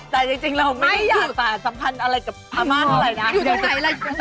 แต่จริงเราไม่ได้อยากสารสัมพันธ์อะไรกับพม่าเท่าไหร่นะ